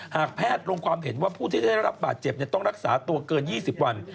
หากแพทย์ลงความเห็นว่าผู้ที่ได้รับบาดเจ็บต้องรักษาตัวเกิน๒๐วัน